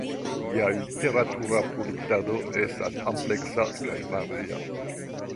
Lia literatura produktado estas ampleksa kaj varia.